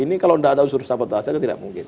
ini kalau nggak ada unsur sabotasi itu tidak mungkin